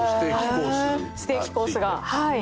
ステーキコースが付いて。